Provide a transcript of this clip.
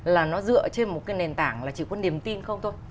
là nó dựa trên một cái nền tảng là chỉ có niềm tin không thôi